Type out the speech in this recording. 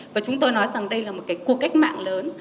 và chúng tôi nói rằng đây là một cái cuộc cách mạng lớn